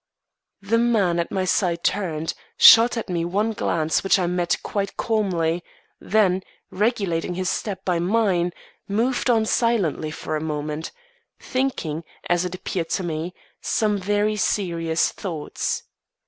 The man at my side turned, shot at me one glance which I met quite calmly, then, regulating his step by mine, moved on silently for a moment thinking, as it appeared to me, some very serious thoughts.